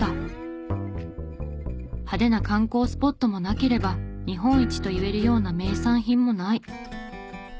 派手な観光スポットもなければ日本一といえるような名産品もない。